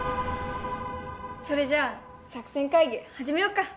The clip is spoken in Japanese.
それじゃ作戦会議はじめよっか。